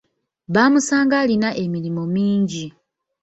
Bamusanga alina emirimu mingi.